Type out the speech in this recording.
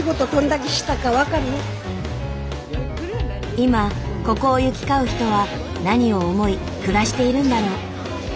今ここを行き交う人は何を思い暮らしているんだろう？